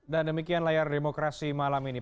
dan demikian layar demokrasi malam ini